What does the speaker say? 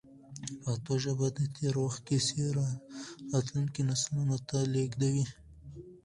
پښتو ژبه د تېر وخت کیسې راتلونکو نسلونو ته لېږدوي.